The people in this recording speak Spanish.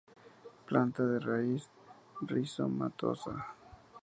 Planta de raíz rizomatosa.